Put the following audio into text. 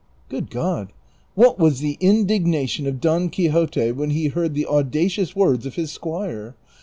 Good God, what was the indignation of Don Quixote when he heard the audacious words of his squire